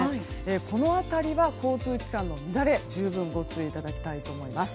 この辺りは交通機関の乱れ十分、ご注意いただきたいと思います。